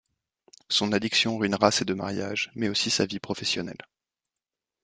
Son addiction ruinera ses deux mariages mais aussi sa vie professionnelle.